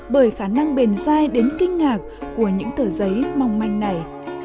bởi khả năng bền giai đến kinh ngạc của những tờ giấy mong manh này